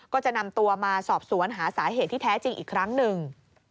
ก็จะนำตัวมาสอบสวนหาสาเหตุที่แท้จริงอีกครั้งหนึ่ง